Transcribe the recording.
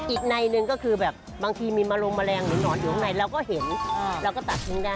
อีกในหนึ่งก็คือแบบบางทีมีมะลงแมลงหรือหนอนอยู่ข้างในเราก็เห็นเราก็ตัดทิ้งได้